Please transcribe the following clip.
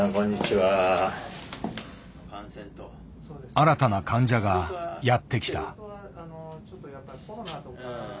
新たな患者がやって来た。